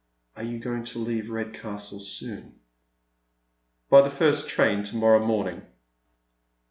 Are you going to leave Eedcastle econ ?" By tlie first train to morrow morning."